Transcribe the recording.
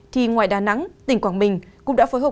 thì ngoài đà nẵng tỉnh quảng bình cũng đã phối hợp